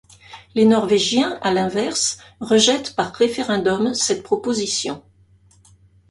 Les Norvégiens, à l'inverse, rejettent par référendum cette proposition.